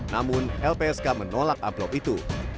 namun lpsk menolak amplop itu